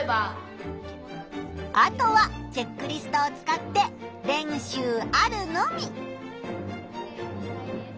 あとはチェックリストを使って練習あるのみ！